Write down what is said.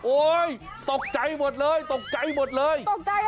โอ๊ยตกใจหมดเลยตกใจหมดเลย